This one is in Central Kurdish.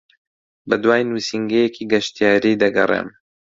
بەدوای نووسینگەیەکی گەشتیاری دەگەڕێم.